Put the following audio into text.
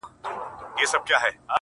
د خپل ښايسته خيال پر زرينه پاڼه’